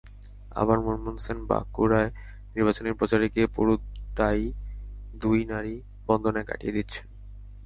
আবার মুনমুন সেন বাঁকুড়ায় নির্বাচনী প্রচারে গিয়ে পুরোটাইদুই নারীর বন্দনায় কাটিয়ে দিচ্ছেন।